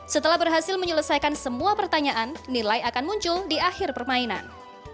setelah berhasil menyelesaikan semua pertanyaan nilai akan muncul di akhir permainan